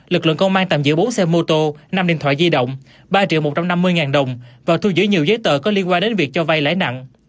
lực lượng công an tạm giữ bốn xe mô tô năm điện thoại di động ba triệu một trăm năm mươi ngàn đồng và thu giữ nhiều giấy tờ có liên quan đến việc cho vay lãi nặng